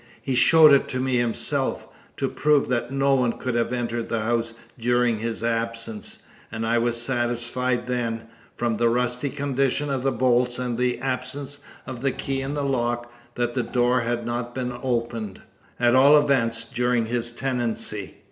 He showed it to me himself, to prove that no one could have entered the house during his absence; and I was satisfied then, from the rusty condition of the bolts, and the absence of the key in the lock, that the door had not been opened at all events, during his tenancy."